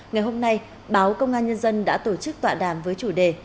ngày hôm nay báo công an nhân dân đã tổ chức tọa đàm với chủ đề